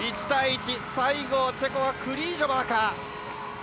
１対１、最後、チェコはクリージョバーか。